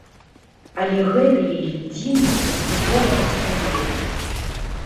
Але гэтая ільдзіна паступова растае.